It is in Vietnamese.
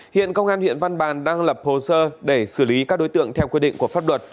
hiện công an huyện văn bàn đang lập hồ sơ để xử lý các đối tượng theo quy định của pháp luật